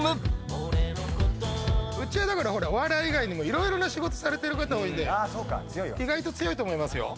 うちはお笑い以外にも色々な仕事されてる方多いんで意外と強いと思いますよ。